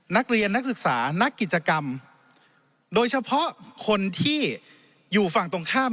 นักศึกษานักกิจกรรมโดยเฉพาะคนที่อยู่ฝั่งตรงข้าม